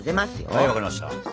はい分かりました。